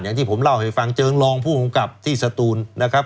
อย่างที่ผมเล่าให้ฟังเชิงรองผู้กำกับที่สตูนนะครับ